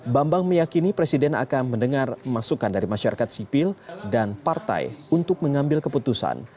bambang meyakini presiden akan mendengar masukan dari masyarakat sipil dan partai untuk mengambil keputusan